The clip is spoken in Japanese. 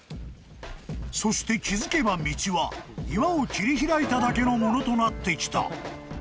［そして気付けば道は岩を切り開いただけのものとなってきた］